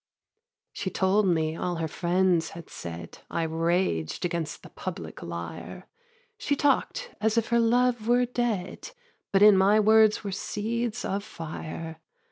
4. She told me all her friends had said; I raged against the public liar; She talk'd as if her love were dead, But in my words were seeds of fire.